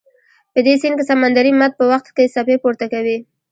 په دې سیند کې سمندري مد په وخت کې څپې پورته کوي.